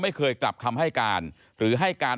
ไม่เคยกลับคำให้การหรือให้การ